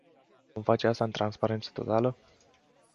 Vom face asta în transparență totală.